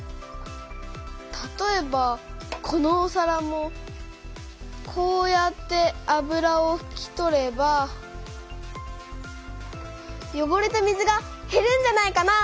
たとえばこのおさらもこうやって油をふき取ればよごれた水がへるんじゃないかな？